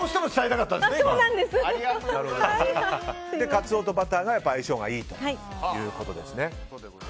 カツオとバターが相性がいいということですね。